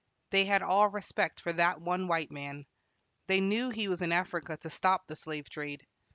They had all respect for that one white man. They knew he was in Africa to stop the slave trade.